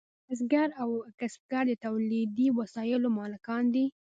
بزګر او کسبګر د تولیدي وسایلو مالکان دي.